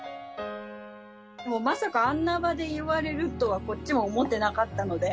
もうまさかあんな場で言われるとは、こっちも思ってなかったので。